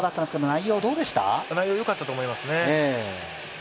内容はよかったと思いますね。